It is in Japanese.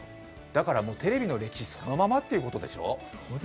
だからテレビの歴史そのままということでしょ。